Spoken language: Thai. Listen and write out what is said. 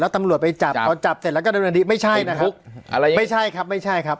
แล้วตำรวจไปจับเอาจับเสร็จแล้วก็ได้เงินดีไม่ใช่นะครับไม่ใช่ครับไม่ใช่ครับ